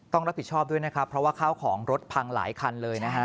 ต้องรับผิดชอบด้วยนะครับเพราะว่าข้าวของรถพังหลายคันเลยนะฮะ